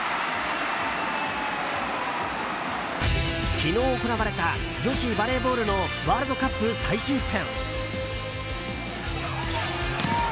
昨日行われた女子バレーボールのワールドカップ最終戦。